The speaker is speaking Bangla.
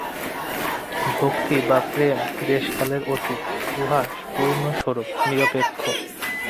ভক্তি বা প্রেম দেশকালের অতীত, উহা পূর্ণস্বরূপ, নিরপেক্ষ।